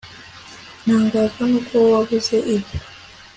ntangazwa nuko wabuze ibyo